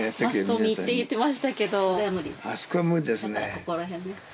ここら辺ね。